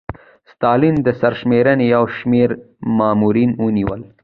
ستالین د سرشمېرنې یو شمېر مامورین ونیول